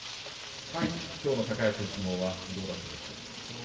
きょうの高安の相撲はどうだったでしょうか。